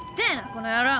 この野郎！